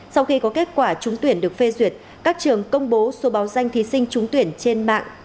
sau khi có kết quả trúng tuyển được phê duyệt các trường công bố số báo danh thí sinh trúng tuyển trên mạng